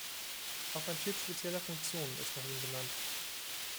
Auch ein Typ spezieller Funktionen ist nach ihm benannt.